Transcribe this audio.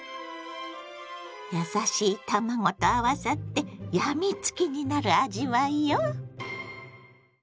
優しい卵と合わさって病みつきになる味わいよ。